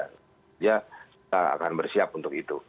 sehingga kita akan bersiap untuk itu